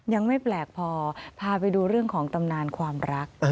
ยังไม่แปลกพอพาไปดูเรื่องของตำนานความรัก